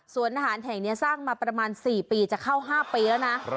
ทหารแห่งนี้สร้างมาประมาณ๔ปีจะเข้า๕ปีแล้วนะ